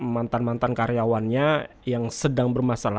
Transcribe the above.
mantan mantan yang ada di yusuf mansur